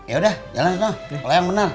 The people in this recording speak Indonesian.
yaudah jalan jalan olah yang bener